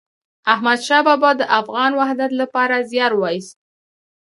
احمد شاه بابا د افغان وحدت لپاره زیار وایست.